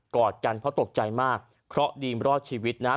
อดกันเพราะตกใจมากเพราะดีรอดชีวิตนะฮะ